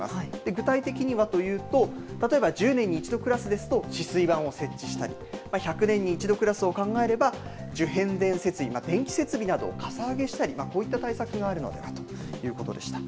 具体的にはというと、例えば１０年に１度クラスですと、止水板を設置したり、１００年に１度クラスを考えれば、受変電設備、電気設備などをかさ上げしたり、こういった対策があるのではということでした。